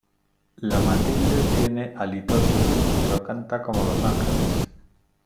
La Matilde tiene halitosis, pero canta como los ángeles.